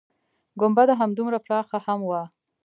گنبده همدومره پراخه هم وه.